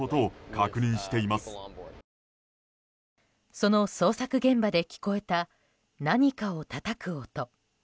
その捜索現場で聞こえた何かをたたく音。